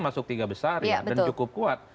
masuk tiga besar ya dan cukup kuat